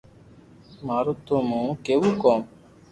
مارو ٿو مون ڪيوہ ڪوم